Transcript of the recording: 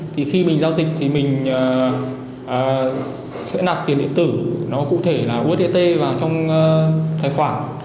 thì khi mình giao dịch thì mình sẽ nạp tiền điện tử nó cụ thể là usd vào trong tài khoản